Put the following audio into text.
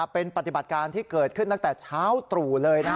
เป็นปฏิบัติการที่เกิดขึ้นตั้งแต่เช้าตรู่เลย